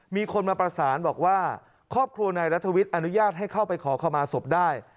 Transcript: มีคนมาประสานบอกว่าครอบครัวนายรัฐวิทย์อนุญาตให้เข้าไปขอขมาศพได้